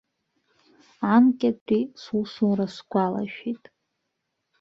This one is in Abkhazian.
Анкьатәи сусура сгәалашәеит.